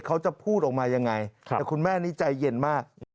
เขาจะพูดออกมายังไงแต่คุณแม่นี้ใจเย็นมาก